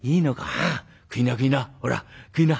「ああ食いな食いな。